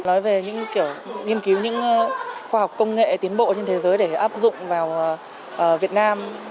nói về những kiểu nghiên cứu những khoa học công nghệ tiến bộ trên thế giới để áp dụng vào việt nam